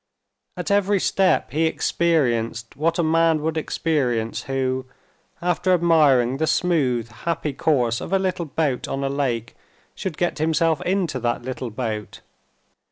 At every step he experienced what a man would experience who, after admiring the smooth, happy course of a little boat on a lake, should get himself into that little boat.